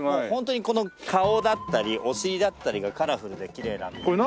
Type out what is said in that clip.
ホントにこの顔だったりお尻だったりがカラフルできれいなんです。